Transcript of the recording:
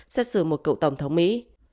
xét xử một cựu tổng thống mỹ